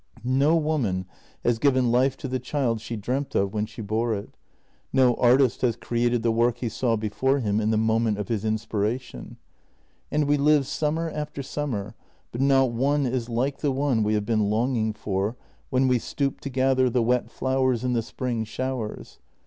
No woman has given life to the child she dreamt of when she bore it — no artist has created the work he saw before him in the moment of his inspiration. And we live sum mer after summer, but not one is like the one we have been longing for when we stooped to gather the wet flowers in the spring showers.